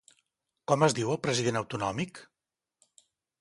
Com es diu el president autonòmic?